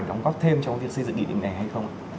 đóng góp thêm trong việc xây dựng địa điểm này hay không